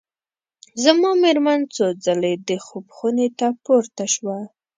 زما مېرمن څو ځلي د خوب خونې ته پورته شوه.